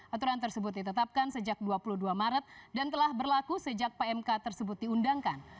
aturan tersebut ditetapkan sejak dua puluh dua maret dan telah berlaku sejak pmk tersebut diundangkan